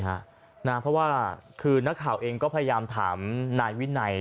เพราะว่าคือนักข่าวเองก็พยายามถามนายวินัย